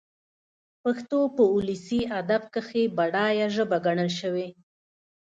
پښتو په اولسي ادب کښي بډايه ژبه ګڼل سوې.